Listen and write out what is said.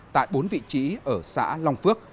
tại bốn vị trí ở xã long phước